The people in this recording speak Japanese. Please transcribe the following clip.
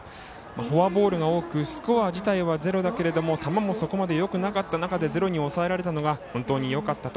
フォアボールが多くスコア自体はゼロだけれども球もそこまでよくなかった中でゼロに抑えられたのが本当によかった。